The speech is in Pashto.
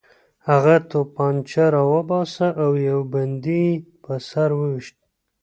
هغه توپانچه راوباسله او یو بندي یې په سر وویشت